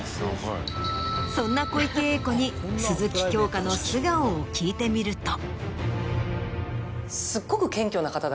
そんな小池栄子に鈴木京香の素顔を聞いてみると。